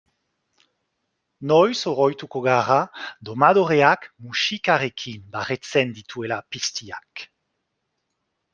Noiz oroituko gara domadoreak musikarekin baretzen dituela piztiak?